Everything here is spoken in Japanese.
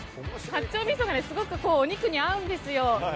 八丁味噌がすごくお肉に合うんですよ。